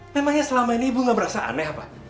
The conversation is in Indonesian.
memangnya selama ini ibu gak merasa aneh apa